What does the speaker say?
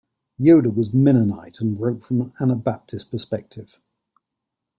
Yoder was Mennonite and wrote from an Anabaptist perspective.